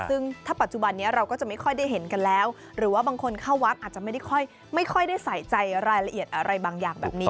ซึ่งถ้าปัจจุบันนี้เราก็จะไม่ค่อยได้เห็นกันแล้วหรือว่าบางคนเข้าวัดอาจจะไม่ได้ไม่ค่อยได้ใส่ใจรายละเอียดอะไรบางอย่างแบบนี้